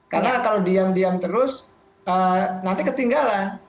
karena kalau diam diam terus nanti ketinggalan